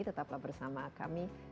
tetaplah bersama kami